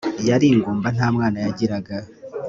yari ingumba nta mwana yagiraga